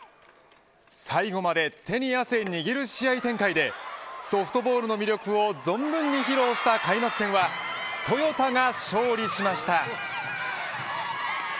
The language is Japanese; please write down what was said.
最後まで手に汗握る試合展開でソフトボールの魅力を存分に披露した開幕戦はトヨタが勝利しました。